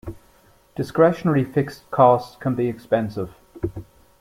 Discretionary fixed costs can be expensive.